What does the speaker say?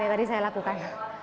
yang tadi saya lakukan